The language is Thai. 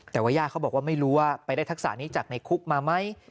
แต่ว่าย่าเขาบอกว่าไม่รู้ว่าไปได้ทักษะนี้จากในคุกมาไหม